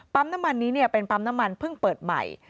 น้ำมันนี้เป็นปั๊มน้ำมันเพิ่งเปิดใหม่